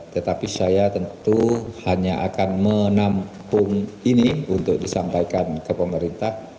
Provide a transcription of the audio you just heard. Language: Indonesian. tetapi saya tentu hanya akan menampung ini untuk disampaikan ke pemerintah